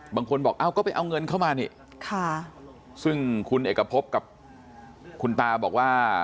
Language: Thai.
บางคนบอกเอ้าก็ไปเอาเงินเข้ามานี่ค่ะซึ่งคุณเอกพบกับคุณตาบอกว่า